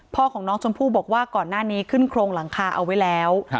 พ่อของน้องชมพู่บอกว่าก่อนหน้านี้ขึ้นโครงหลังคาเอาไว้แล้ว